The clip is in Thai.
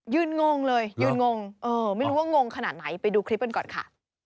งงเลยยืนงงเออไม่รู้ว่างงขนาดไหนไปดูคลิปกันก่อนค่ะ